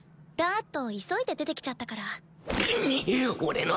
だあっと急いで出てきちゃったから。